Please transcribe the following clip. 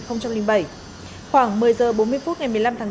khoảng một mươi h bốn mươi phút ngày một mươi năm tháng bốn